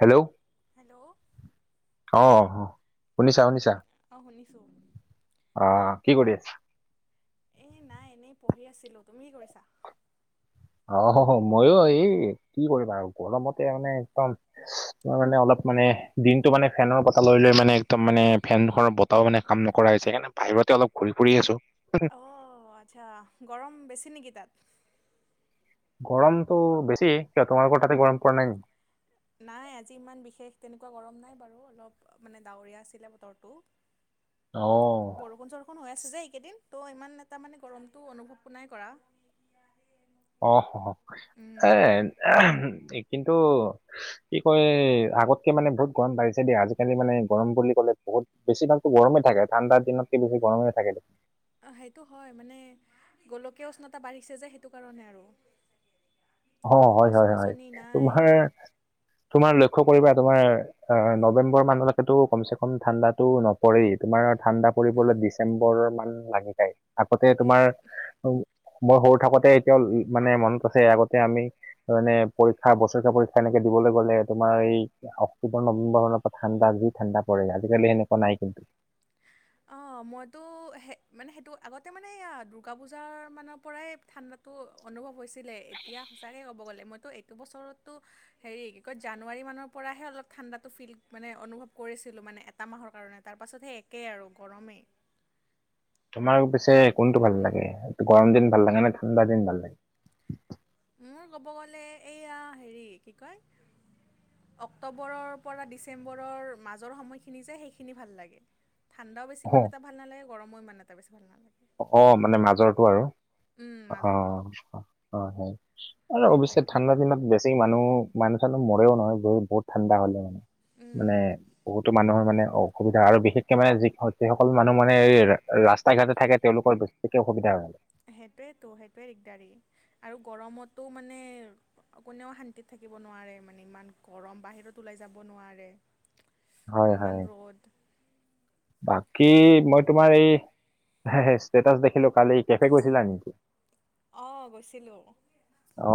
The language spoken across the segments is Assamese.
হেল্ল' হেল্ল' আহ শুনিছা শুনিছা। অঁ শুনিছোঁ অ কি কৰি আছ? এই নাই এনেই পঢ়ি আছিলোঁ তুমি কি কৰিছা? অ ময়ো এই কি কৰিম আৰু গৰমতে মানে একদম তাৰ মানে অলপ মানে দিনটো মানে ফেনৰ বতাহ লৈ লৈ মানে একদম মানে ফেন খনৰ বতটাও মানে কাম নকৰা হৈছে স বাহিৰতে অলপ ঘূৰি ফুৰি আছো। অঁ আচ্ছা গৰম বেছি নেকি তাত? গৰমতটো বেছি কিয় তোমালোকৰ তাতে গৰম পৰা নাই নকি? নাই আজি ইমান বিশেষ তেনেকুৱা গৰম নাই বাৰু অলপ মানে ডাৱৰীয়া আছিলে বতৰটো। অ বৰষুণ চৰষু হৈ আছে যে এইকেইদিন ত' ইমান এটা মানে গৰমতটো অনুভৱটো নাই কৰা। অ উম, এ কিন্তু কি কয় আগতকে মানে বহুত গৰম বাঢ়িছে দেই আজিকালি মানে গৰম বুলি ক'লে বহুত বেি ভাগকো গৰমেই থাকে ঠাণ্ড দিনত কি বেছি গম থাকে। অ সেইটো হয় মানে গোলকীয় উষ্ণতা বাঢ়িছে যে সেইটো কাৰণে আৰু অ হয় গছ হয় হয় গছনি নাই তোমাৰ তোমাৰ লক্ষ্য কৰিবা তোমাৰ অ নৱেম্বৰ মানলৈকেতো কমচে কম ঠাণ্ডাতো নপৰেই তোমাৰ ঠাণ্ডা পৰিবলৈ ডিচেম্বৰ মান লাগি যায় আগতে তোমাৰ সেই মই সৰু থাকোতে এতিয়াও মানে মনত আছে আগত এতিয়া আমি মানে পৰীক্ষা বছৰেকীয়া পৰীক্ষা এনেকে দিবলৈ গলে তোমাৰ এই অক্টোবৰ নৱেম্বৰৰ পৰা ঠাণ্ডা যি ঠাণ্ডা পৰে আজিকালি সেনেকোৱা নাই কিন্তু অ মইতো সে মানে সেইটো আগতে মানে দুৰ্গা পূজাৰ মানৰ পৰাই ঠাণ্ডাত তো অনুভৱ হৈছিলে এতিয়া সঁচাকে ক'ব গ'লে মইতো এইটো বছৰতো হেৰি কি কয় জানুৱাৰী মানৰ পৰাহে অলপ ঠাণ্ডাটো ফিল মানে অনুভৱ কৰিছিলো মানে এটা মাহৰ কাৰণে তাৰপাছত হে একেই আৰু গৰমেই তোমাৰ পিছে কোনটো ভাল লাগে গৰম দিন ভাল লাগে নে ঠাণ্ডা দিন ভাল লাগে মোৰ ক'ব গ'লে এইয়া হেৰি কি কয় অক্টোবৰৰ পৰা ডিচেম্বৰৰ মাজৰ সময়খিনি যে সেইখিনি ভাল লাগে ঠাণ্ডাও বেছি অ ইমান এটা ভালা নালাগে গৰমো ইমান এটা বেছি ভাল নালাগে অ মানে মাজৰতো আৰু উম, অ মাজৰখিনি অ সেই আৰু সেইটোৱে অৱশ্যে ঠাণ্ডা দিনত বেছি মানুহ মানুহ চানুহ মৰেও নহয় বহুত ঠাণ্ডা হ'লে মানে মানে উম বহুতো মানুহৰ মানে অসুবিধা আৰু বিশেষ কে মানে যি যিসকল মানুহ মানে এই ৰাস্তাই ঘাটে থাকে তেওঁলোকৰ বেছিকে অসুবিধা হয় সেইটোৱেতো সেইটোৱে দিগদাৰী আৰু গৰমতো মানে কোনেও শান্তিত থাকিব নোৱাৰে মানে ইমান গৰম বাহিৰত ওলাই যাব নোৱাৰে হয় ইমান হয়। ৰ'দ বাকী মই তোমাৰ এই ষ্টেটাচ দেখিলো কালি কেফে গৈছিলা নেকি অঁ গৈছিলোঁ অ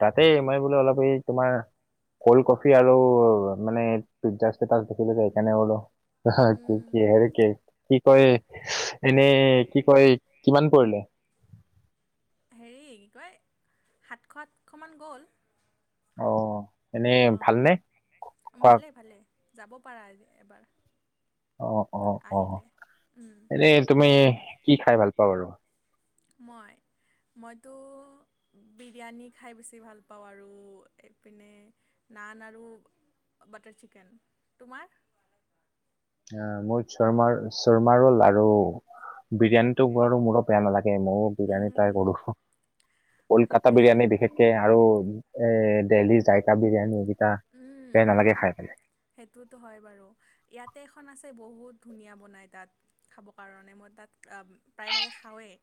তাতে মই বোলে অলপ সেই তোমাৰ কল্ড কফি আৰু মানে পিজ্জা ষ্টেষ্টাচ দেখিলো যে সেইকাৰণে বোলো কি কি হেৰি কি কি কয় এনেই কি কয় কিমান কৰিলে হেৰি কি কয় সাতশ আঠশমান গ'ল অ এনেই ভালনে খোৱা ভালে যাব পাৰা আজি এবাৰ অ অ অ আহিলে এনে তুমি কি খাই ভাল পোৱা বাৰু মই মইতো বিৰিয়ানী খাই বেছি ভাল পাও আৰু এইপিনে নান আৰু বাটাৰ চিকেন তোমাৰ মোৰ চৰমাৰ চৰ্মাৰো লাৰু বিৰিয়ানিতো বাৰু মোৰো বেয়া নালাগে মোৰো বিৰিয়ানী ট্ৰাই কৰো কলিকাতা সেইটোৱে বিৰিয়ানি বিশেষকে আৰু এ দেললি যায়কা বিৰিয়ানীকেইটা উম বেয়া উম নালাগে খাই পেলাই সেইটোতো হয় বাৰু ইয়াতে এখন আছে বহুত ধুনীয়া বনায় তাত খাবৰ কাৰণে মই তাত প্ৰায়ভাগে খাওৱেই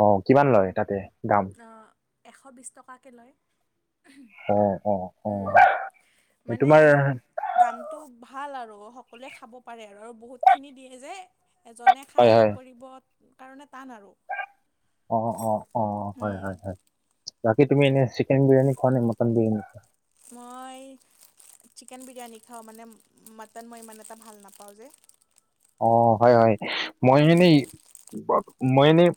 অ কিমান লয় তাতে দাম অ এশ বিছ টকাকে লয় অ অ অ এই মানে তোমাৰ দামটো ভাল আৰু সকলোৱে খাব পাৰে আৰু বহুতখিনি দিয়ে যে এজনে হয় খাই হয় শেষ কৰিব কাৰণে টান আৰু। অ অ অ অ হয় উম, হয় হয় বাকী তুমি এনেই চিকেন বিৰিয়ানী খোৱা নে মটন বিৰিয়ানী? মই চিকেন বিৰিয়ানী খাওঁ মানে মাটন মই ইমান এটা ভাল নাপাওঁ যে। অ হয় হয় মই উম, এনেই মই এনেই,,,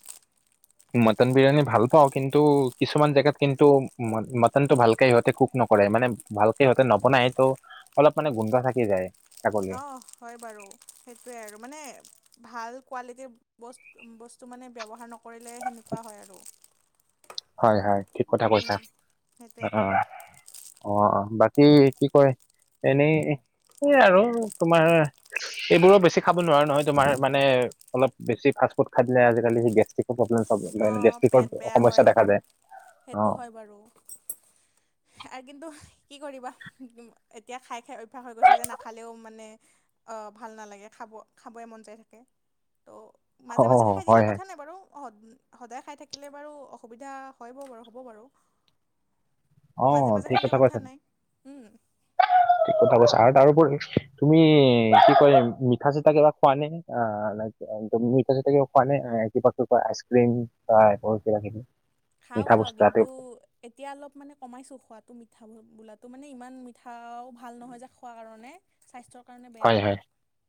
মটন বিৰিয়ানী ভাল পাওঁ কিন্তু কিছুমান জেগাত কিন্তু মট মট সনটো ভালকে সিহঁতে কুক নকৰে মানে ভালকে সিহঁতে নবনাই তটো অলপ মানে গোন্ধ থাকি যায়। ছাগলী অঁ হয় বাৰু সেইটোৱে আৰু মানে ভাল কোৱালিটিৰ,, বস বস্তু মানে ব্যৱহাৰ নকৰিলে সেনেকুৱা হয় আৰু। হয়ঁ হয়ঁ ঠিক কথা কৈছা উম। অঁ সেইটোৱেতো অঁ। অঁ অঁ বাকী কি কয় এনেই এই আৰু তোমাৰ,,, এইবোৰো বেছি খাব নোৱাৰো নহয় তোাৰানে অলপ বেছি ফাষ্ট ফুড খাই দিলে আজি কালি গেষ্ট্ৰিকো প্ৰব্লেম অ', গেষ্টিকৰ পেট বেয়া সমস্যা হয় দেখা যায় অ সেইটো হয় বাৰু আৰু কিন্তু কি কৰিবা? এতিয়া খাই খাই অভ্য়াস হৈ গৈছে যে নাখালেও মানে অঁ ভাল নালাগে খাব খাবই মন যায় থাকে ত' অ মাজে মাজে খাই হয় দিলে হয় কথা নাই বাৰু অহত সদায় খাই থাকিলে বাৰু অসুবিধা হয় ব বাৰু হ'ব বাৰু। অ মাজে মাজে ঠিক খালে কথা কৈছা নাই উমঁ। কথা কৈছা আৰু তাৰোপৰি তুমি কি কয় মিঠা চিঠা কিবা খোৱা নে? অ ন তুমি ক খোৱা নাই কিবা ক আইচ ক্ৰ্ৰীম বা কিবাকিবি উমঁ! খাওঁ খাওঁ কিন্তু,,, এতিয়া অলপ মানে কমাইছোঁ খোৱাটো মিঠা বোলাটো মানে ইমান মিঠাও ভাল নহয় যে খোৱাৰ কাৰণে। স্বাস্থ্যৰ কাৰণে বেয়া হয় হয়।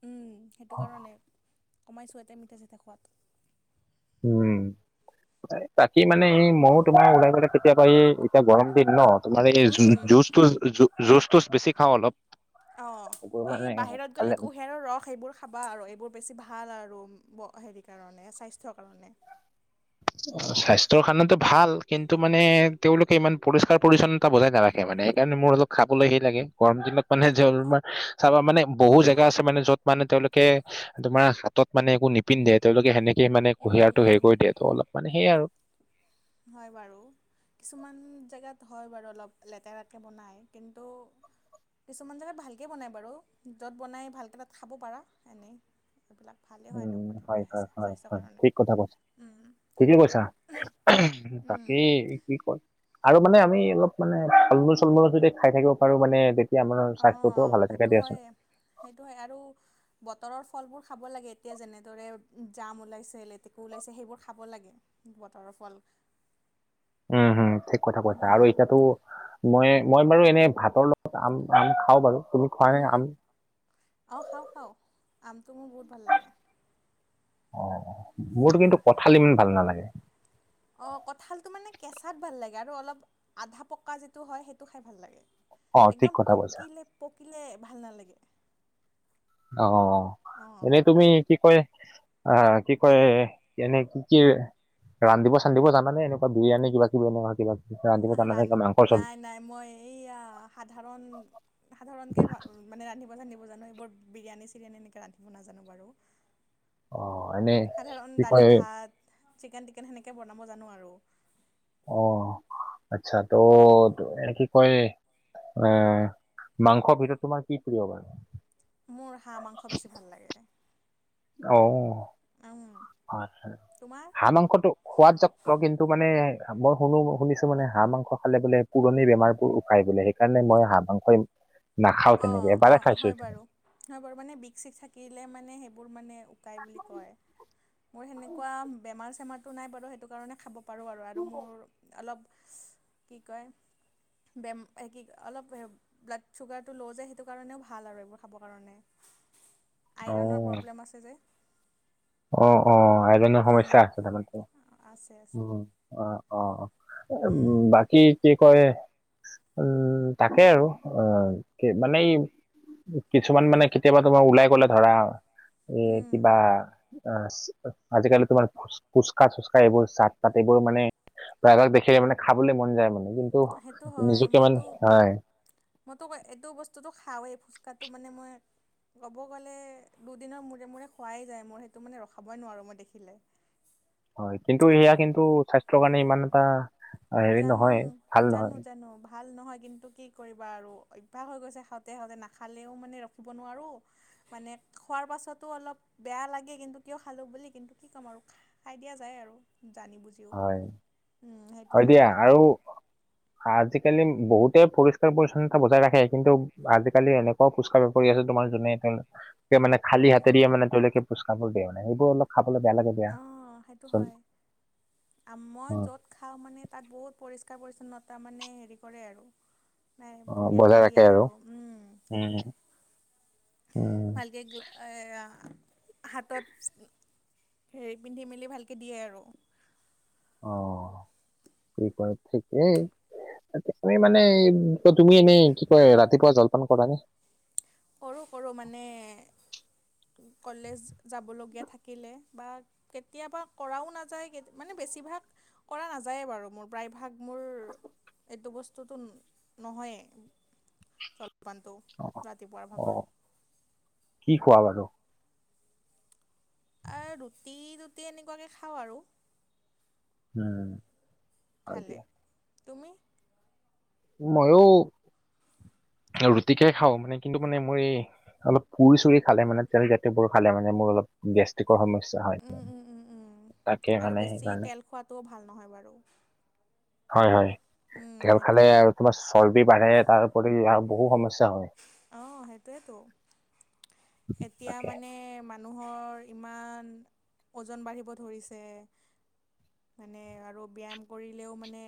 ওম সেইটো কাৰণে কমাইছোঁ এয়াতে মিঠা চিঠা খোৱাত। উমঁ বাকী মানে এই ময়ো তোমাৰ ওলাই গলে কেতিয়াবা এই এতিয়া গৰম দিন ন তোমাৰ এই উম জুচ জুচটোচ বেছি খাওঁ অলপ। অঁ এইবোৰ মানে এই বাহিৰত গ'লে খালে কুঁহিয়াৰৰ ৰস এইবোৰ খাবা আৰু এইবোৰ বেছি ভাল আৰু হেৰি কাৰণে স্বাস্থ্যৰ কাৰণে। অঁ স্বাস্থ্যৰ কাৰণেতো ভাল কিন্তু মানে তেওঁলোকে ইমান পৰিষ্কাৰ পৰিচ্ছন্নত,,, টা বজাই নাৰাখে মানে সেইকাৰণে মোৰ অলপ খাবলৈ সেই লাগে গৰম দিনত মানে যে অলপমান চাবা মানে বহু জেগা আছে মানে য'ত মানে তেওঁলোকে তোমাৰ হাতত মানে একো পিন্ধে তেওঁলোকে সেনেকে মানে উম উম কুঁহিয়াৰটো উম হেৰি দিয়ে ত অলপানেয় সেই আৰু। হয়ঁ! বাৰু। কিছুমান জেগাত হয় বাৰু অলপ লেতেৰাকৈ বনায় কিন্তু কিছুমান জেগাত ভালকৈ বনায় বাৰু য'ত বনাই ভালকৈ তাত খাব পাৰা এনেই এইবিলাক। ভালেই হয় ন উম হয় বৈধতা হয় হৈছে হয় স্বাস্থ্যৰ হয় কাৰণে ঠিক কথা ওম সেইটোৱে ওহোঁ। ওহোঁ বাকী কি কয়। আৰু মানে আমি অলপ মানে ফল মূল চল মূল যদি খাই থাকিব পাৰো মানে। তেতিয়া আমাৰ স্বাস্থ্যয়টো অঁ ভাল থকে সেইটো দিয়াচোন। হয় সেইটো হয় আৰু,,, বতৰৰ ফলবোৰ খাব লাগে এতিয়া যেনেদৰে জাম ওলাইছে লেতেকু ওলাইছে সেইবোৰ খাব লাগে। বতৰৰ ফল। উমঁ হম ঠিক কথা কৈছা আৰু উম, এতিয়াতো মই মই বাৰু এনে ভাতৰ লগত আম আম খাওঁ বাৰু তুমি খোৱা নে উম আম? অ খাওঁ খাওঁ আমটো মোৰ বহুত ভাল লাগে অহ মোৰতো কিন্তু কঁঠাল ইমান ভাল নালাগে অঁহ কঁঠালটো মানে কেঁচাত ভাল লাগে আৰু অলপ আধা পকা যিটো হয় সেইটো খাই ভাল লাগে অ', ঠিক একদম কথা কৈছা। পকিলে পকিলে ভাল নালাগে অহ অঁ এনেই তুমি কি কয় আহ কি কয় এনে কি কি ৰান্ধিব চান্ধিব জান নে এনেকুৱা বিৰিয়ানি কিবা কিব এনেকুৱা কিবা কিবি ৰান্ধিব ৰা জানানে? কিবা মাংসৰ চব নাই নাই মই এইয়া সাধাৰণ সাধাৰণকে মা মানে ৰান্ধিব চান্ধিব জানো এইবোৰ বিৰিয়ানী চিৰিয়ানী এনেকে ৰান্ধিব নাজানো বাৰু অহ এনে সাধাৰণ কি দালি কয় ভাত চিকেন টিকেন সেনেকে বনাব জানো আৰু অহ আচ্ছা ত এনে কি কয় এহ মাংসৰ ভিতৰত তোমাৰ কি প্ৰিয় বাৰু মোৰ হাঁহ মাংস বেছি ভাল লাগে অহ উম, তোমাৰ হাহঁ মাংসতো সোৱাদ‌ চব কিন্তু মানে মই শুনো শুনিছো মানে হাঁহ মাংস খালে বোলে পুৰণি বেমাৰবোৰ উকাই বোলে সেইকাৰণে মই হাঁহ মাংস নাখাওঁ অঁ তেনেকে অঁ এবাৰেই খাইছো হয় বাৰু হয় বাৰু মানে বিষ চিক থাকিলে মানে সেইবোৰ মানে উকাই বুলি কয় মোৰ সেনেকুৱা বেমাৰ চেমাৰটো নাই বাৰু সেইটো কাৰণে খাব পাৰোঁ আৰু আৰু মোৰ অলপ কি কয় বেম এ কি অলপ ব্লাড চুগাৰ তো লৈও যে‌ সেইটো ‌কাৰণেও ভাল আৰু এইবোৰ খাবৰ কাৰণে আইৰণ অ'। প্ৰব্লেম আছে যে অহ অহ আইৰণ উম সমস্যা আছে তাৰমানে ত আছে আছে অহ অহ উম বাকী কি কয় উম তাকে আৰু অহ কি মানে কিছুমান মানে কেতিয়াবা তোমাৰ ওলাই গ'লে ধৰা এই উম কিবা আচ আজিকালি তোমাৰ ফুচকা চুচকা এইবোৰ চাট পাতিবোৰ মানে প্ৰায়ভাগ দেখিলে মানে খাবলৈ মন যায় মানে কিন্তু সেইটো হয় নিজকে মানে মইতো নাই মইতো এইটো বস্তুটো খাওঁৱে ফুচকাটো মানে মই ক'ব গ'লে দুদিনৰ মূৰে মূৰে খোৱাই যায় মোৰ সেইটো মানে ৰখাবই নোৱাৰোঁ মই দেখিলে হয় কিন্তু ইয়া কিন্তু স্বাস্থ্যৰ কাৰণে ইমান এটা হেৰি জানো নহয় ভাল নহয় জানো জানো ভ ভাল নহয় কিন্তু কি কৰিবা আৰু অভ্যাস হৈ গৈছে খাওঁতে খাওঁতে নাখালেও মানে ৰখিব নোৱাৰোঁ মানে খোৱাৰ পাছতো অলপ বেয়া লাগে কিন্তু কিয় খালো বুলি কিন্তু কি ক'ম আৰু খা খাই দিয়া যায় আৰু জানি বুজিও হয় উম সেই হয় দিয়া আৰু আজিকালি বহুতে পৰিষ্কাৰ পৰিচ্ছন্নতা বজাই ৰাখে কিন্তু আজিকালি এনে এনেকুৱাও ফুচকা বেপাৰী আছে তোমাৰ যোনে তেওঁ তেওঁ মানে খালী হাতেদি মানে তেওঁ ফুচকাবোৰ দিয়ে মানে সেইবোৰ অলপ খাবলৈ বেয়া লাগে দিয়া অহ সেইটো চোন হয় মই অ য'ত খাওঁ মানে তাত বহুত পৰিষ্কাৰ পৰিচ্ছন্নতা মানে হেৰি কৰে আৰু নাই অ ধুনীয়াকে বজাই দিয়ে ৰাখে আৰু উম সেইটোৱে উম উম ভালকে গ্ল এয়া হাতত হেৰি পিন্ধি মেলি ভালকে দিয়ে আৰু অ কি কয় ঠিকেই তুমি মানে এই তুমি এনেই কি কয় ৰাতিপুৱা জলপান কৰা নে? কৰোঁ কৰোঁ মানে কলেজ যাবলগীয়া থাকিলে বা কেতিয়াবা কৰাও নাযায় মানে বেছিভাগ কৰা নাযায়ে বাৰু মোৰ প্ৰায়ভাগ মোৰ এইটো ব স্তুতো নহয়ে জলপানটো অ ৰাতিপুৱাৰ অ ভাগৰ কি খোৱা বাৰু? এই ৰুটি ৰুটি এনেকুৱাকে খাওঁ আৰু উম হয় খালে দিয়া তুমি? মইও ৰুটিকে খাওঁ মানে কিন্তু মানে মই অলপ পুৰি-চুৰি খালে মানে তেল জাতিয়বোৰ খালে মানে মোৰ অলপ গেষ্ট্ৰিকৰ সমস্যা হয় উম উম উম উম তাকে আৰু মানে বেছি সেইকাৰণে তেল খোৱাটোও ভাল নহয় বাৰু হয় হয় উম তেল খালে সেইটোৱে আৰু তোমাৰ চৰ্বি বাঢ়ে তাৰওপৰি আৰু বহু সমস্যা হয় অ সেইটোৱেতো এতিয়া তাকে মানে মানুহৰ ইমান ওজন বাঢ়িব ধৰিছে মানে আৰু ব্যায়াম কৰিলেও মানে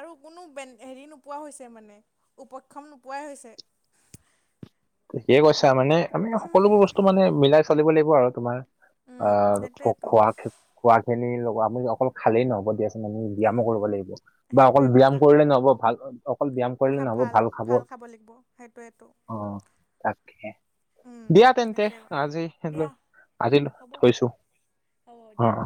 আৰু কোনো বেন হেৰি নোপোৱা হৈছে মানে উপক্ষম নোপোৱাই হৈছে ঠিকে কৈছা মানে আমি সকলোবোৰ বস্তু মানে মিলাই চলিব লাগিব আৰু তোমাৰ অ উম সেইটোৱেতো খোৱা খোৱা খিনি লগ আমি অকল খালেই নহব দিয়াচোন আমি ব্যায়ামো কৰিব লাগিব বা অকল সেইটোৱে ব্যায়াম কথা কৰিলে নহ'ব ভাল অকল ব্যায়াম কৰিলে নহব, ভাল খাব অ তাকেহে উম দিয়া তেন্তে সেইটোৱে কথা আজি সলে দিয়া আজি হ'ব থৈছো হ'ব অ দিয়া। অ